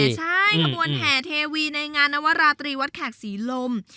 ใช่ขบวนแห่เทวีในงานนวราตรีวัดแขกศรีลม